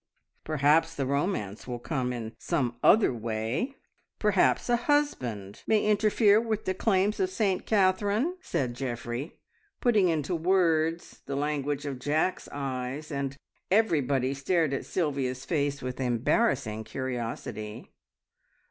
"Perhaps the romance will come in in some other way! Perhaps a husband may interfere with the claims of Saint Catherine!" said Geoffrey, putting into words the language of Jack's eyes, and everybody stared at Sylvia's face with embarrassing curiosity.